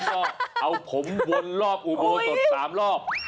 ก็เอาผมวนรอบอูโบตร๓รอบ